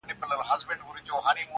o په یو نظر کي مي د سترگو په لړم نیسې.